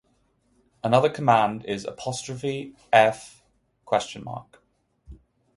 Another command is 'F?